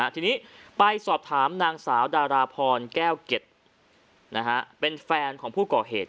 ทีนี้ไปสอบถามนางสาวดาราพรแก้วเก็ตเป็นแฟนของผู้ก่อเหตุ